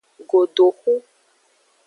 Godoxu.